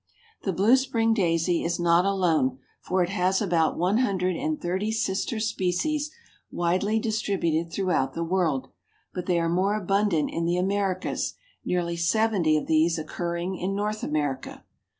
The Blue Spring Daisy is not alone, for it has about one hundred and thirty sister species widely distributed throughout the world, but they are more abundant in the Americas, nearly seventy of these occurring in North America.